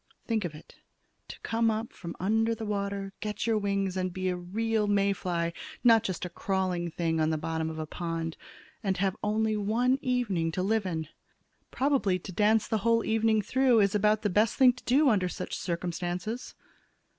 Think of it, to come up from under the water, get your wings and be a real May fly, not just a crawling thing on the bottom of a pond, and have only one evening to live in! Probably to dance the whole evening through is about the best thing to do under such circumstances."